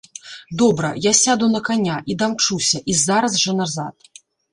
Добра, я сяду на каня, і дамчуся, і зараз жа назад.